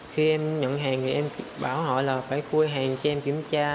khi em nhận hàng thì em bảo họ là phải cua hàng cho em kiểm tra